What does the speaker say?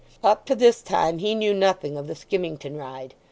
Up to this time he knew nothing of the skimmington ride.